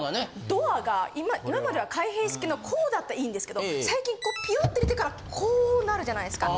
ドアが今までは開閉式のこうだったらいいんですけど最近こうピュッて出てからこうなるじゃないですか。